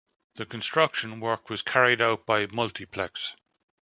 The construction work was carried out by Multiplex.